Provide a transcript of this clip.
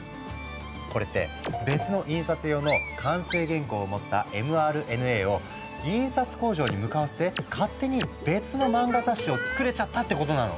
これって別の印刷用の完成原稿を持ったｍＲＮＡを印刷工場に向かわせて勝手に別の漫画雑誌をつくれちゃったってことなの。